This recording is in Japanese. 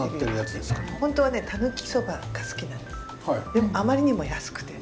でもあまりにも安くて。